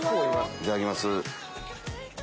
いただきます。